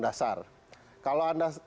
dasar kalau anda